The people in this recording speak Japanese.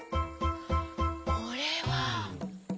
これは。